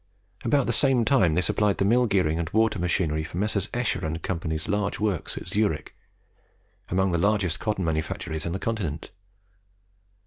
About the same time they supplied the mill gearing and water machinery for Messrs. Escher and Company's large works at Zurich, among the largest cotton manufactories on the continent.